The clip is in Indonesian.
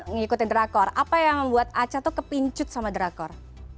ngikutin drakor apa yang membuat aca tuh kepincut sama drakor